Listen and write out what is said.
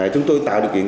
chúng tôi tạo điều kiện